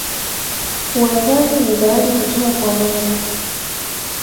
Wazazi ni zawadi kutoka kwa Mungu